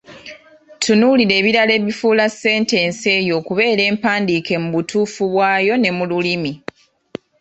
Tunuulira ebirala ebifuula sentensi eyo okubeera empandiike mu butuufu bwayo ne mu lulimi.